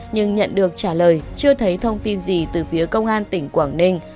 nhưng nhận được trả lời chưa thấy thông tin gì từ phía công an tỉnh quảng ninh